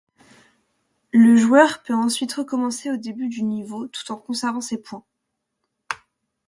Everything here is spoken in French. Le joueur peut ensuite recommencer au début du niveau tout en conservant ses points.